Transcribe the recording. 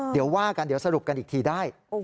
เดี๋ยวว่ากันเดี๋ยวสรุปกันอีกทีได้